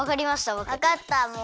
わかったもう。